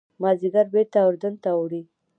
مازیګر بېرته اردن ته اوړي.